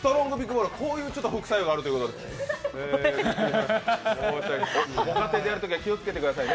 こういう副作用があるということで、申し訳ない。